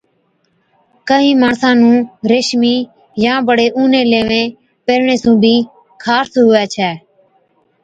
ڪهِين ماڻسا نُُون ريشمِي يان بڙي اُونِي ليوين پيهرڻي سُون بِي خارس هُوَي ڇَي۔